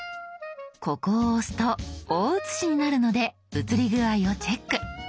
ここを押すと大写しになるので写り具合をチェック。